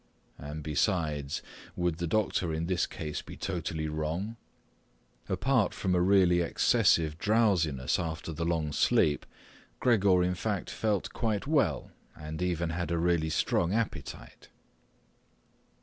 And besides, would the doctor in this case be totally wrong? Apart from a really excessive drowsiness after the long sleep, Gregor in fact felt quite well and even had a really strong appetite.